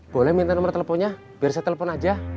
boleh minta nomor teleponnya biar saya telepon aja